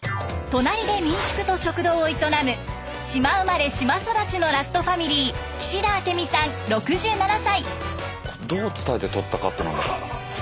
隣で民宿と食堂を営む島生まれ島育ちのラストファミリーどう伝えて撮ったかっていうのが。